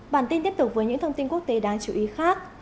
bản tin tiếp tục với những thông tin quốc tế đáng chú ý khác